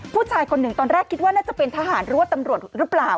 ผู้ชายคนหนึ่งตอนแรกคิดว่าน่าจะเป็นทหารหรือว่าตำรวจหรือเปล่า